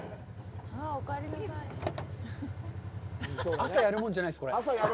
朝、やるもんじゃないです、これ。